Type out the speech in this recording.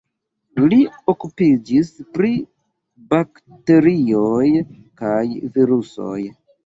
Li okupiĝis pri bakterioj kaj virusoj.